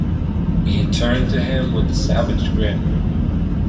He turned to him with a savage grin.